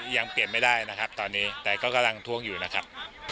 ยังเปลี่ยนไม่ได้นะครับตอนนี้แต่ก็กำลังท้วงอยู่นะครับ